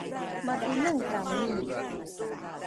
matineng kami